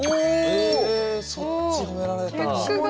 ええそっち褒められた。